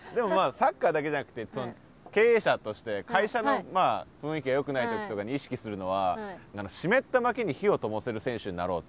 サッカーだけじゃなくて経営者として会社の雰囲気がよくない時とかに意識するのは湿った薪に火を灯せる選手になろうと。